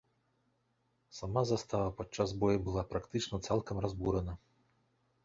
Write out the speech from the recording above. Сама застава падчас бою была практычна цалкам разбурана.